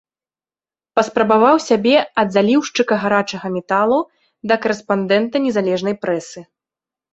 Паспрабаваў сябе ад заліўшчыка гарачага металу да карэспандэнта незалежнай прэсы.